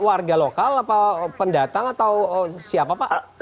warga lokal atau pendatang atau siapa